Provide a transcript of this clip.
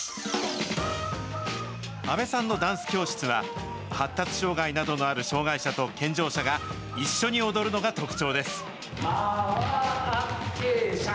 阿部さんのダンス教室は、発達障害などのある障害者と健常者が一緒に踊るのが特徴です。